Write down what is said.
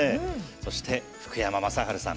そして、福山雅治さん